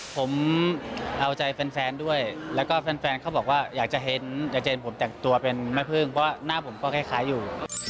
ผมเอาใจแฟนด้วยแล้วก็แฟนเขาบอกว่าอยากจะเห็นอยากจะเห็นผมแต่งตัวเป็นแม่พึ่งเพราะว่าหน้าผมก็คล้ายอยู่